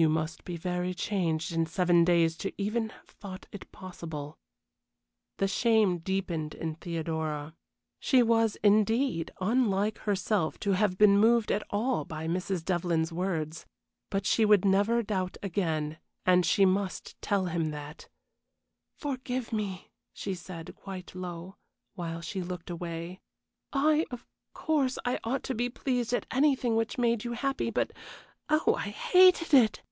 "You must be very changed in seven days to even have thought it possible." The shame deepened in Theodora. She was, indeed, unlike herself to have been moved at all by Mrs. Devlyn's words, but she would never doubt again, and she must tell him that. "Forgive me," she said, quite low, while she looked away. "I of course I ought to be pleased at anything which made you happy, but oh, I hated it!"